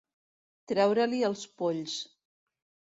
Treure-li els polls.